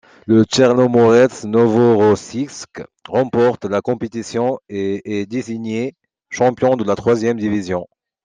Le Tchernomorets Novorossiisk remporte la compétition et est désigné champion de la troisième division.